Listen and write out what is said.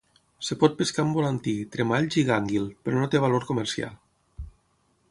Es pot pescar amb volantí, tremalls i gànguil, però no té valor comercial.